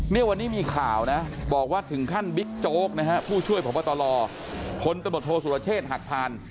เนี่ยวันนี้มีข่าวนะบอกว่าถึงขั้นบิ๊กโจ๊กนะฮะผู้ช่วยพบตลพลตำรวจโทษสุรเชษฐ์หักพาน